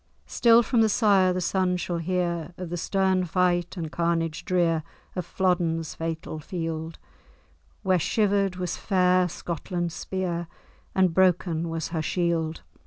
Still from the sire the son shall hear Of the stern fight and carnage drear Of Flodden's fatal field, Where shiver'd was fair Scotland's spear, And broken was her shield!